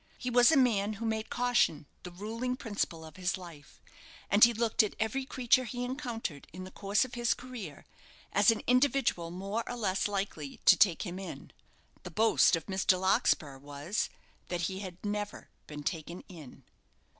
He was a man who made caution the ruling principle of his life, and he looked at every creature he encountered in the course of his career as an individual more or less likely to take him in. The boast of Mr. Larkspur was, that he never had been taken in.